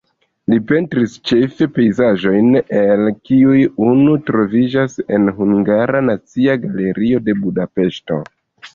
Li pentris ĉefe pejzaĝojn, el kiuj unu troviĝas en Hungara Nacia Galerio de Budapeŝto.